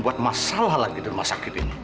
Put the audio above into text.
buat masalah lagi di rumah sakit ini